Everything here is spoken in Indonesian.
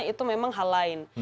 itu memang hal lain